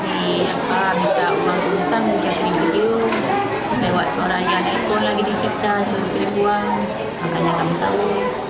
habis dikakuskan uang terusan dikasih video lewat suara yang dikoneksi lagi disiksa suruh kirim uang makanya kami tahu